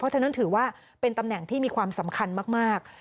ฉะนั้นถือว่าเป็นตำแหน่งที่มีความสำคัญมาก